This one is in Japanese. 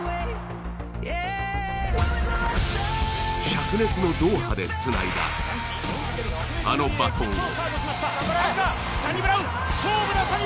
しゃく熱のドーハでつないだ、あのバトンを。